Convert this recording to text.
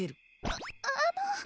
ああの。